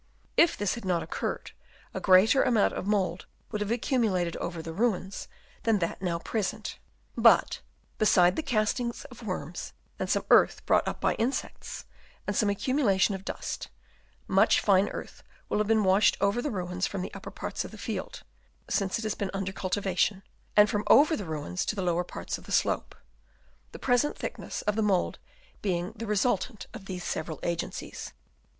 If this had not occurred a greater amount of mould would have accumu lated over the ruins than that now present. But beside the castings of worms and some 194 BURIAL OF THE REMAINS Chap. IV. earth brought up by insects, and some accu mulation of dust, much fine earth will have been washed over the ruins from the upper parts of the field, since it 'has been under cultivation ; and from over the ruins to the lower parts of the slope ; the present thick ness of the mould being the resultant of these several agencies.